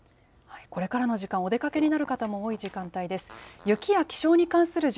これからの時間、お出かけになる方も多い時間帯です。